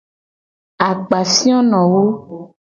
Akpafionowo.